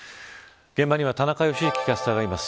現場には田中良幸キャスターがいます。